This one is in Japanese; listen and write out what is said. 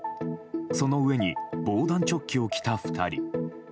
その上に防弾チョッキを着た２人。